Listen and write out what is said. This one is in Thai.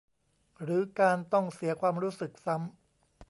หรือการต้องเสียความรู้สึกซ้ำ